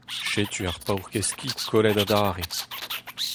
Setu ar paourkaezh ki kollet adarre.